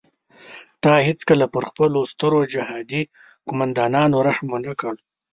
تا هیڅکله پر خپلو سترو جهادي قوماندانانو رحم ونه کړ.